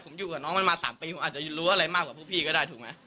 ผมอยู่กับน้องมันมา๓ปีผมอาจจะรู้อะไรมากกว่าพวกพี่ก็ได้ถูกไหม